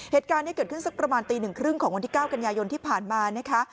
เหตุการณ์นี้เกิดขึ้นสักประมาณตี๑๓๐ของวันที่๙กันยายนที่ผ่านมานะคะ